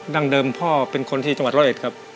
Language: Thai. ั้งเดิมพ่อเป็นคนที่จังหวัดร้อยเอ็ดครับ